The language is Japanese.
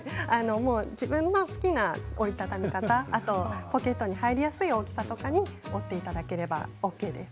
自分が好きな折り畳み方、ポケットに入れやすい大きさとかに折っていただければＯＫです。